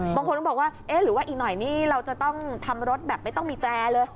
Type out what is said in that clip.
บางคนก็บอกว่าเอ๊ะหรือว่าอีกหน่อยนี่เราจะต้องทำรถแบบไม่ต้องมีแตรเลย